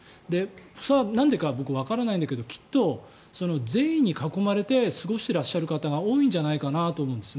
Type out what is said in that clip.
それはなんでか僕はわからないんだけどきっと善意に囲まれて過ごしていらっしゃる方が多いんじゃないかなと思うんです。